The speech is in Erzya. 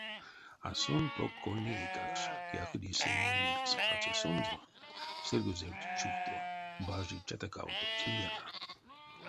А сон, прок кольни эйкакш, яходи сэнь менелькс пацясонзо, сыргозевти чувто, бажи чатакавтомс лията.